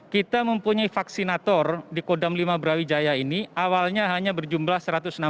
kita mempunyai vaksinator di kodam lima brawijaya ini awalnya hanya berjumlah satu ratus enam puluh